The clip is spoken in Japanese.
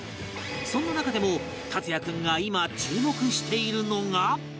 そんな中でも達哉君が今注目しているのが